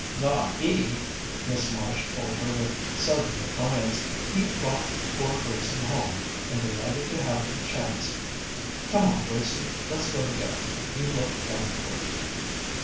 "Not he," Miss Marsh told her with sudden defiance. "He brought poor Gracie home, and delighted to have the chance. Come on, Gracie, let's go to bed. You look done for."